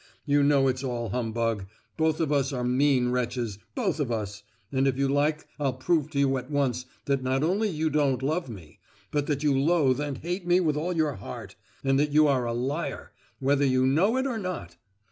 You know it's all humbug; both of us are mean wretches—both of us; and if you like I'll prove to you at once that not only you don't love me, but that you loathe and hate me with all your heart, and that you are a liar, whether you know it or not!